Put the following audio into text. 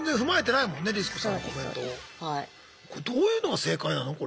これどういうのが正解なの？